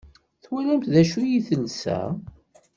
Twalamt d acu i telsa?